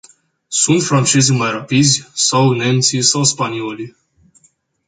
Sunt francezii mai rapizi, sau nemții, sau spaniolii?